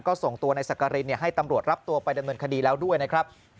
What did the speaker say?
ก็ส่งตัวนายสักกรินให้ตำรวจรับตัวไปดำเนินคดีแล้วด้วยนะครับ